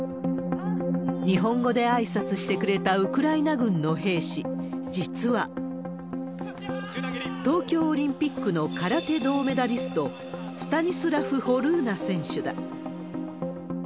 日本語であいさつしてくれたウクライナ軍の兵士、実は、東京オリンピックの空手銅メダリスト、スタニスラフ・ホルーナ選手だ。